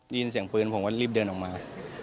ได้ยินเสียงปืนผมก็รีบเดินออกมา